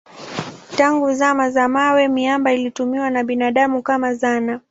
Tangu zama za mawe miamba ilitumiwa na binadamu kama zana.